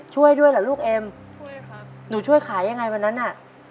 ช่วยด้วยเหรอลูกเอ็มช่วยครับหนูช่วยขายยังไงวันนั้นน่ะ